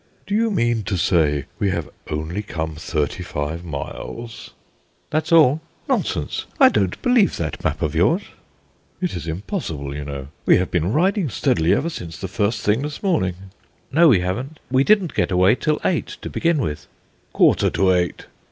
"Do you mean to say we have only come thirty five miles?" "That's all." "Nonsense. I don't believe that map of yours." "It is impossible, you know. We have been riding steadily ever since the first thing this morning." "No, we haven't. We didn't get away till eight, to begin with." "Quarter to eight."